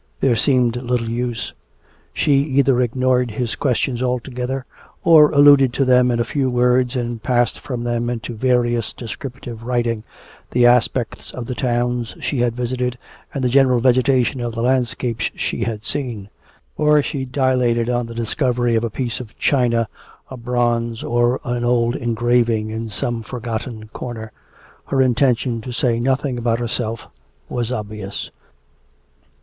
There seemed little use. She either ignored his questions altogether, or alluded to them in a few words and passed from them into various descriptive writing, the aspects of the towns she had visited, and the general vegetation of the landscapes she had seen; or she dilated on the discovery of a piece of china, a bronze, or an old engraving in some forgotten corner. Her intention to say nothing about herself was obvious.